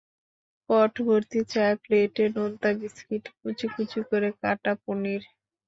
পটভর্তি চা, প্লেটে নোনতা বিস্কিট, কুচিকুচি করে কাটা পনির।